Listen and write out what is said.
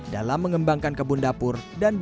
dalam mengembangkan kebun dapur